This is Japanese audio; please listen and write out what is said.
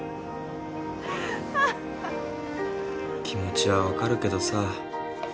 気持ちは分かるけどさ。